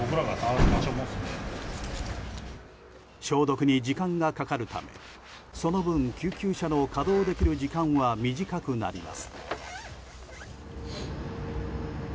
消毒に時間がかかるためその分救急車の稼働できる時間は短くなります。